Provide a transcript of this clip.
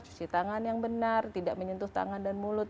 cuci tangan yang benar tidak menyentuh tangan dan mulut